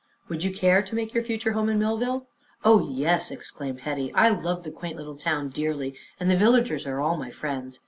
"Would you care to make your future home in Millville?" "Oh, yes!" exclaimed Hetty. "I love the quaint little town dearly, and the villagers are all my friends.